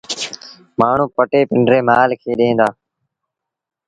مآڻهوٚݩ پٽي پنڊري مآل کي ڏيݩ دآ۔